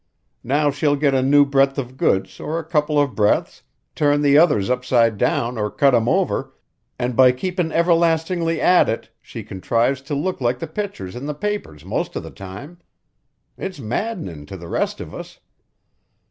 Now she'll get a new breadth of goods or a couple of breadths, turn the others upside down or cut 'em over, an' by keepin' everlastingly at it she contrives to look like the pictures in the papers most of the time. It's maddenin' to the rest of us.